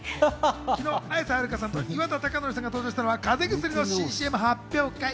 昨日、綾瀬はるかさんと岩田剛典さんが登場したのはかぜ薬の新ＣＭ発表会。